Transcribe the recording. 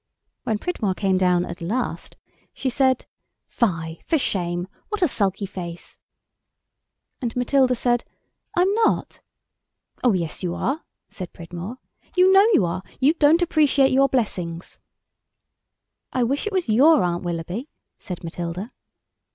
When Pridmore came down at last, she said, "Fie, for shame! What a sulky face!" And Matilda said, "I'm not." "Oh, yes you are," said Pridmore, "you know you are, you don't appreciate your blessings." "I wish it was your Aunt Willoughby," said Matilda.